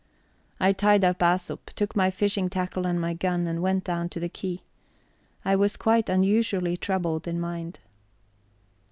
I tied up Æsop, took my fishing tackle and my gun, and went down to the quay. I was quite unusually troubled in mind.